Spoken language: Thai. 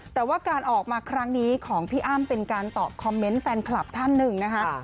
แต่ว่าการออกมาครั้งนี้ของพี่อ้ำเป็นการตอบคอมเมนต์แฟนคลับท่านหนึ่งนะคะ